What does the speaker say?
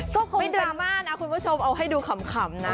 ไม่สามารถนะคุณผู้ชมเอาให้ดูขำนะ